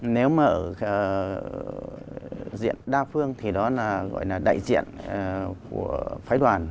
nếu mà diện đa phương thì đó là gọi là đại diện của phái đoàn